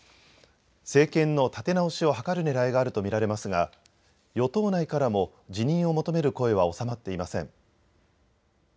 政権の立て直しを図るねらいがあると見られますが与党内からも辞任を求める声は収まっていません。